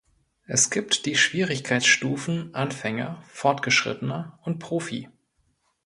Es gibt die Schwierigkeitsstufen "Anfänger", "Fortgeschrittener" und "Profi".